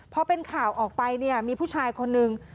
พอเป็นข่าวออกไปเนี่ยมีผู้ชายคนนึง